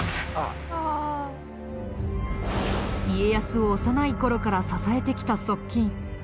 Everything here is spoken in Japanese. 家康を幼い頃から支えてきた側近鳥居元忠。